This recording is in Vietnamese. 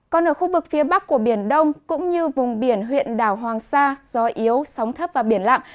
còn ở khu vực phía bắc của biển đông cũng như vùng biển huyện đảo hoàng sa gió yếu sóng thấp và biển lặng